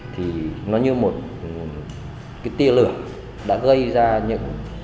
thì nó như một cái tia lửa đã gây ra những